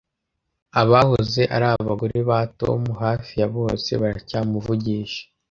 Abahoze ari abagore ba Tom hafi ya bose baracyamuvugisha